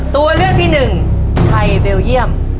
ตัวเลือกที่๑ไทยเบลเยี่ยม